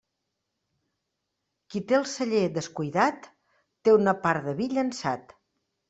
Qui té el celler descuidat té una part de vi llençat.